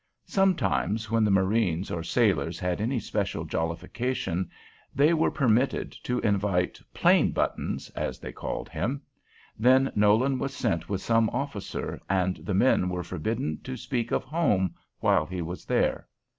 Sometimes, when the marines or sailors had any special jollification, they were permitted to invite "Plain Buttons," as they called him. Then Nolan was sent with some officer, and the men were forbidden to speak of home while he was there.